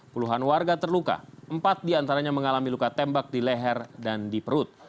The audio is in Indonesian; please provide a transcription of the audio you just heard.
puluhan warga terluka empat diantaranya mengalami luka tembak di leher dan di perut